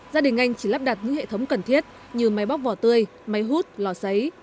gia đình anh chỉ lắp đặt những hệ thống cần thiết như máy bóc vỏ tươi máy hút lò xáy